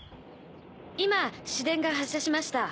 今市電が発車しました。